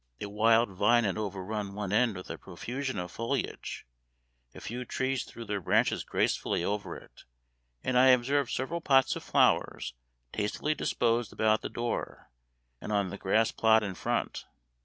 A wild vine had overrun one end with a profusion of foliage; a few trees threw their branches gracefully over it; and I observed several pots of flowers tastefully disposed about the door, and on the grass plot in front.